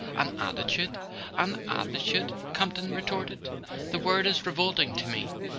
"An attitude—an attitude?" Camp ton retorted. "The word is revolting to me!